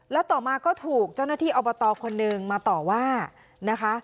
แล้วต่อมาก็ถูกเจ้าหน้าที่อบตคนหนึ่งมาต่อว่านะคะ